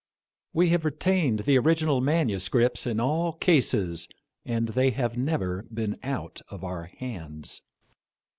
We have retained the original MSS. in all cases, and they have never been out of our hands.